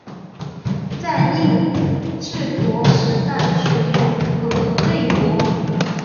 在令制国时代属于河内国。